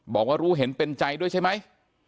บอกว่ารู้เห็นเป็นใจด้วยใช่ไหม